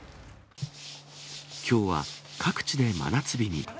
きょうは各地で真夏日に。